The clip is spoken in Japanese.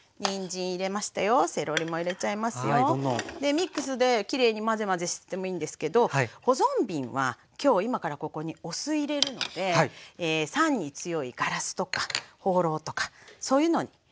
ミックスできれいに混ぜ混ぜしてもいいんですけど保存瓶は今日今からここにお酢入れるので酸に強いガラスとかホウロウとかそういうのにして頂くといいですね。